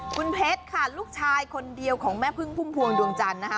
คุณเพชรค่ะลูกชายคนเดียวของแม่พึ่งพุ่มพวงดวงจันทร์นะคะ